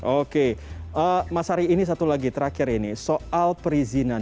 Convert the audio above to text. oke mas ari ini satu lagi terakhir ini soal perizinan